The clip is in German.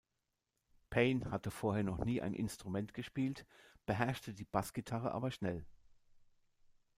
Payne hatte vorher noch nie ein Instrument gespielt, beherrschte die Bassgitarre aber schnell.